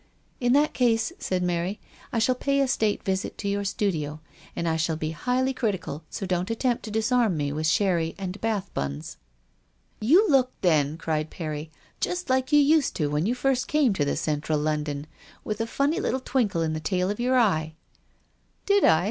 In that case," said Mary, " I shall pay a state visit to your studio, and I shall be highly critical; so don't attempt to disarm me with sherry and bath buns." " You looked then," cried Perry, " just like you used to when you first came to the Central London, with a funny little twinkle in the tail of your eye." " Did I